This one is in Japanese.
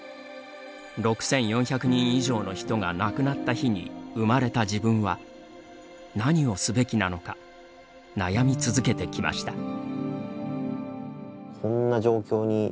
６４００人以上の人が亡くなった日に生まれた自分は何をすべきなのか悩み続けてきました。